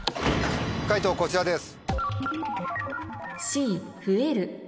解答こちらです。